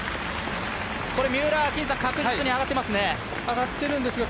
三浦は確実に上がってますね。